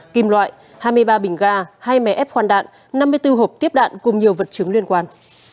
kim loại hai mươi ba bình ga hai mé ép khoan đạn năm mươi bốn hộp tiếp đạn cùng nhiều vật chứng liên quan